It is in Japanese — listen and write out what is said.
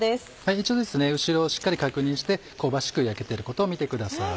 一応後ろをしっかり確認して香ばしく焼けてることを見てください。